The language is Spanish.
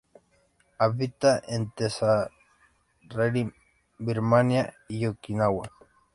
Habita en Tenasserim, Birmania y Okinawa.